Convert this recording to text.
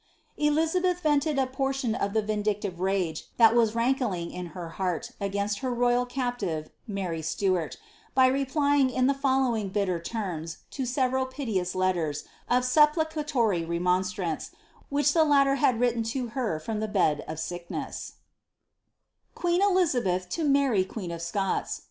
ibeth vented a portion of the vindictive rage that was rankling in irt against her royal captive, Mary Stuart, by replying in the fol bitter terms to seveial piteous letters, of supplicatory remon , which the latter had written to her from the bed of sick Quiiir Elizabeth to Maet, Quxxir op Scots."